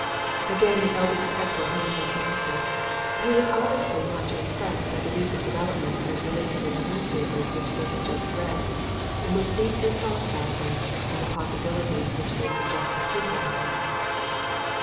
Again the elder detective made no answer. He was obviously much impressed by the recent developments as related in the newspapers which they had just read, and was deep in thought about them and the possibilities which they suggested to him.